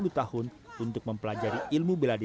dan juga olimpiade